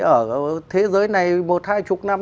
ở thế giới này một hai chục năm